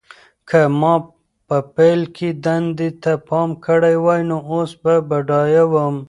که ما په پیل کې دندې ته پام کړی وای، اوس به بډایه وم.